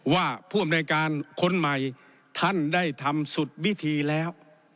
ว่าผู้อำนวยการคนใหม่ท่านได้ทำสุดวิธีแล้ว